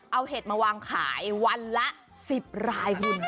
เอาเห็ดมาวางขายวันละ๑๐รายคุณ